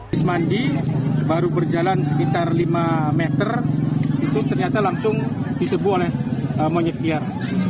bismandi baru berjalan sekitar lima meter itu ternyata langsung disebut oleh monyet liar